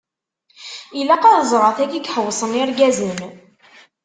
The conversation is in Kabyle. Ilaq ad ẓreɣ tagi iḥewwṣen irgazen.